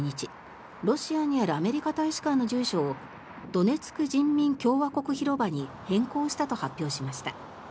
ロシアにあるアメリカ大使館の住所をドネツク人民共和国広場に変更したと発表しました。